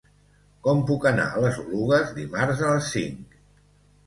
Com puc anar a les Oluges dimarts a les cinc?